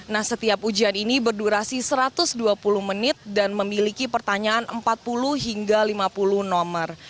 nah setiap ujian ini berdurasi satu ratus dua puluh menit dan memiliki pertanyaan empat puluh hingga lima puluh nomor